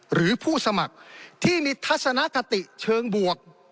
หรือผู้สมัครที่มีทัศนคติเชิงบวก